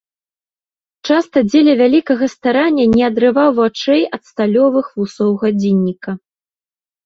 Часта дзеля вялікага старання не адрываў вачэй ад сталёвых вусоў гадзінніка.